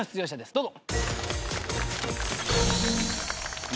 どうぞ。